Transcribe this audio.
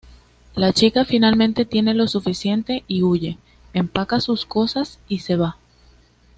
La chica finalmente tiene lo suficiente y huye, empaca sus cosas y se va.